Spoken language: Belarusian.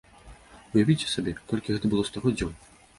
Уявіце сабе, колькі гэта было стагоддзяў!